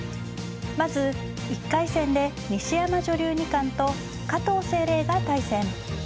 まず１回戦で西山女流二冠と加藤清麗が対戦。